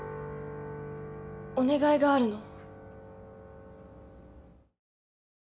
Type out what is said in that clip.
お願いがあるの。